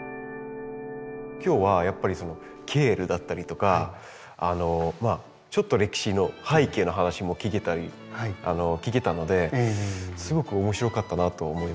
今日はやっぱりケールだったりとかあのちょっと歴史の背景の話も聞けたのですごく面白かったなと思います。